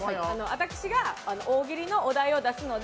私が大喜利のお題を出すので、